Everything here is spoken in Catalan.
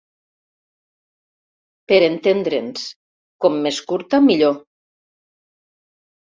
Per entendre'ns, com més curta millor.